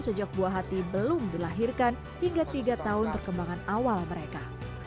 sejak buah hati belum dilahirkan hingga tiga tahun perkembangan awal mereka